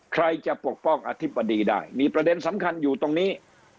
ใครจะปกป้องอธิบดีได้มีประเด็นสำคัญอยู่ตรงนี้